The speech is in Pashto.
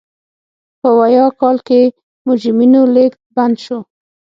په ویاه کال کې مجرمینو لېږد بند شو.